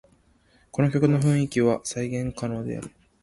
この曲の雰囲気は再現可能である